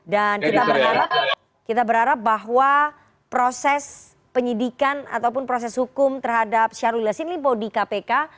dan kita berharap bahwa proses penyidikan ataupun proses hukum terhadap syahrul yassin limpo di kpk